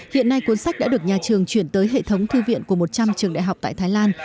hiện nay cuốn sách đã được nhà trường chuyển tới hệ thống thư viện của một trăm linh trường đại học tại thái lan